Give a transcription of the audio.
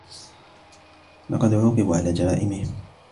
لقد عوقبوا على جرائمهم.